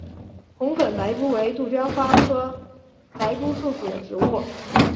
红粉白珠为杜鹃花科白珠树属的植物。